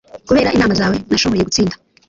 Kubera inama zawe, nashoboye gutsinda.